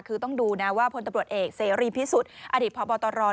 คือต้องดูว่าพลตบรวจเอกเซรียมพิสุทธิ์อดิภพตร